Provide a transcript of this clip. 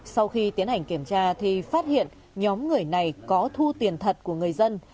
sau khi tiến hành kiểm tra thì phát hiện nhóm người này có thu tiền thật của người dân